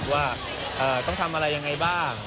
ว่าต้องทำอะไรยังไงบ้าง